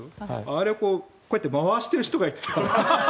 あれ、こうやって回している人がいて。